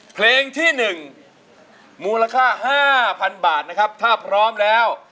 เพลงที่หนึ่งมูลค่า๕๐๐๐บาทถ้าพร้อมแล้ว